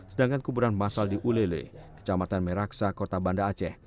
sedangkan kuburan masal di ulele kecamatan meraksa kota banda aceh